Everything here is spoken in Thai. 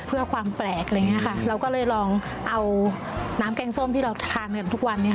เพื่อความแปลกเราก็เลยลองเอาน้ำแกงส้มที่เราทานกันทุกวัน